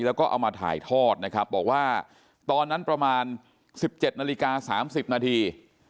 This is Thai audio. แล้วก็เอามาถ่ายทอดนะครับบอกว่าตอนนั้นประมาณ๑๗นาฬิกา๓๐นาที